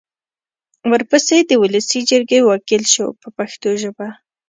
ورپسې د ولسي جرګې وکیل شو په پښتو ژبه.